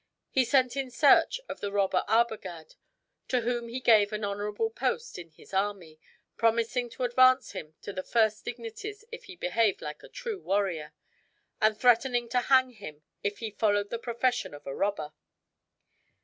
He sent in search of the robber Arbogad, to whom he gave an honorable post in his army, promising to advance him to the first dignities if he behaved like a true warrior, and threatening to hang him if he followed the profession of a robber.